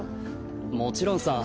もちろんさ。